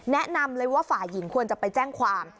แนะนำเลยว่าฝ่ายหญิงควรจะไปแจ้งความ